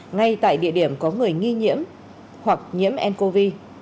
ngay tại địa điểm có người nghi nhiễm hoặc nhiễm ncov